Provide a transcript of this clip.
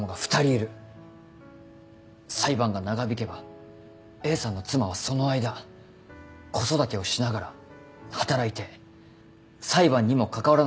裁判が長引けばＡさんの妻はその間子育てをしながら働いて裁判にも関わらなければならない。